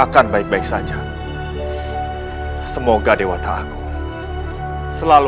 tidak tahu keberadaannya